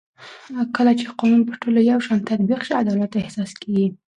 کله چې قانون پر ټولو یو شان تطبیق شي عدالت احساس کېږي